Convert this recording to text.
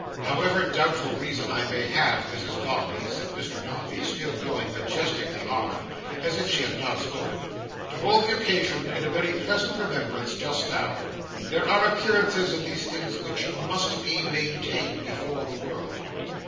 "However doubtful reason I may have, Mrs Dombey," said Mr Dombey, still going majestically on, as if she had not spoken, "to hold the occasion in very pleasant remembrance just now, there are appearances in these things which must be maintained before the world.